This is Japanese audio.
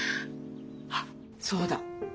あっそうだ。